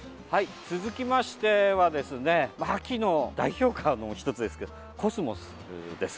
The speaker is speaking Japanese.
続きましては、秋の代表花の１つですけど、コスモスです。